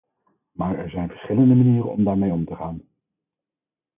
Maar er zijn verschillende manieren om daarmee om te gaan.